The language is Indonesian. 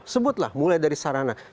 sebutlah mulai dari sarana